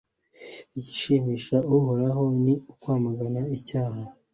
igishimisha uhoraho ni ukwamagana icyaha